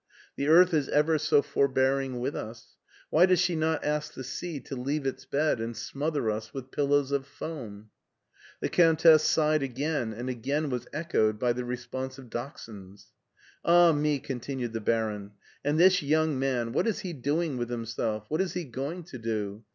The earth is ever so forbearing with us. Why does she not ask the sea to leave its bed and smother us with pillows of foam?'* The Countess sighed again, and again was echoed by the responsive dachshunds. " Ah me !" continued the baron ;" and this young man, what is he doing with himself, what is he going to do!